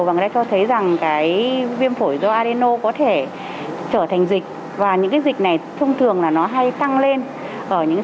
và người ta cho thấy rằng